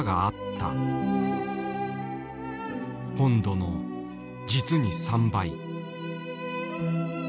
本土の実に３倍。